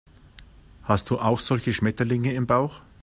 Hast du auch solche Schmetterlinge im Bauch?